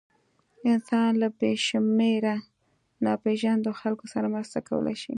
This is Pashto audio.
انسان له بېشمېره ناپېژاندو خلکو سره مرسته کولی شي.